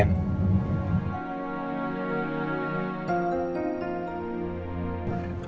tunggu dulu ya